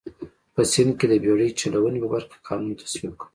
په سیند کې د بېړۍ چلونې په برخه کې قانون تصویب کړ.